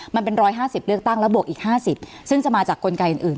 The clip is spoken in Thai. มันเป็นร้อยห้าสิบเรื่องตั้งและบวกอีกห้าสิบซึ่งจะมาจากกลไกอย่างอื่น